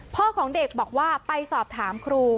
พ่อของเด็กบอกว่าไปสอบถามครู